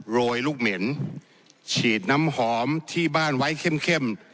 โรยลูกเหม็นฉีดน้ำหอมที่บ้านไว้เข้ม